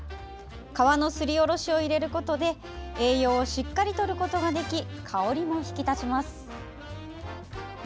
皮のすりおろしを入れることで栄養をしっかりとることができ香りも引き立ちます。